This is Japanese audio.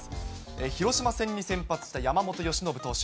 広島戦に先発した山本由伸投手。